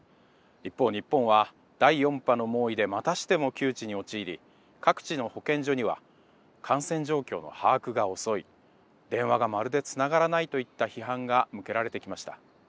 一方日本は第４波の猛威でまたしても窮地に陥り各地の保健所には「感染状況の把握が遅い」「電話がまるでつながらない」といった批判が向けられてきました。